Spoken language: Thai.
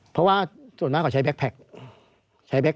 เพราะว่าส่วนมากเขาใช้แบ็คแพ็ค